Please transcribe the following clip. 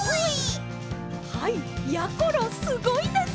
はいやころすごいです！